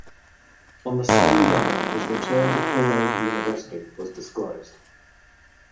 On the same day his return to Keio University was disclosed.